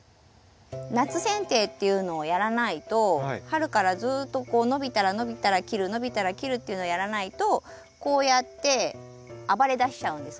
夏せん定っていうのをやらないと春からずっとこう伸びたら切る伸びたら切るっていうのをやらないとこうやって暴れだしちゃうんですよ。